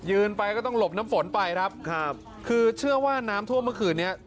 ไปก็ต้องหลบน้ำฝนไปครับครับคือเชื่อว่าน้ำท่วมเมื่อคืนนี้